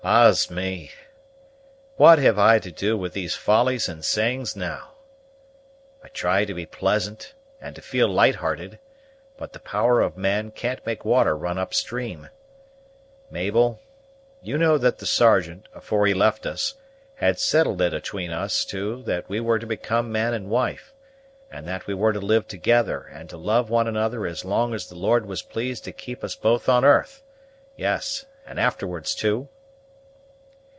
Ah's me! What have I to do with these follies and sayings now? I try to be pleasant, and to feel light hearted, but the power of man can't make water run up stream. Mabel, you know that the Sergeant, afore he left us, had settled it 'atween us two that we were to become man and wife, and that we were to live together and to love one another as long as the Lord was pleased to keep us both on 'arth; yes, and afterwards too?"